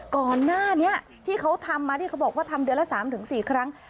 ก่อนหน้านี้ที่เขาทำมาที่เขาบอกว่าทำเดือนละ๓๔ครั้ง